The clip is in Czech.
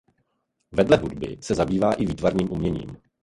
Vedle hudby se zabývá i výtvarným uměním.